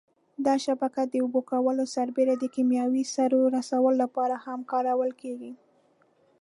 دا شبکه د اوبه کولو سربېره د کېمیاوي سرو رسولو لپاره هم کارول کېږي.